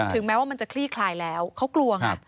แม้ว่ามันจะคลี่คลายแล้วเขากลัวไง